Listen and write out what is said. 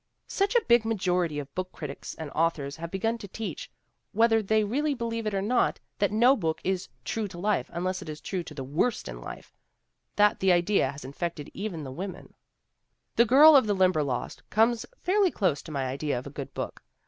' 'Such a big majority of book critics and authors have begun to teach, whether they really believe it or not, that no book is true to life unless it is true to the worst in life, that the idea has infected even the women/ n j A Girl of the Limberlost " 'comes fairly close to my idea of 'a good book.